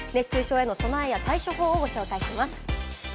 熱中症への備えや対処法をご紹介します。